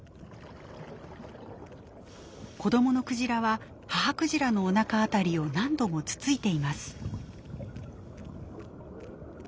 子どものクジラは母クジラのおなかあたりを何度もつついています。